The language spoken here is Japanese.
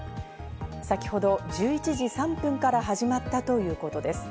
先ほど１１時３分から始まったということです。